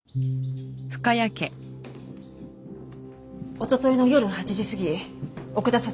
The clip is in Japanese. おとといの夜８時過ぎ奥田彩